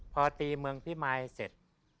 พอตีเมืองพิมายเสร็จ